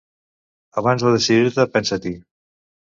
Abans de decidir-te, pensa-t'hi.